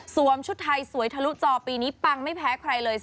ชุดไทยสวยทะลุจอปีนี้ปังไม่แพ้ใครเลย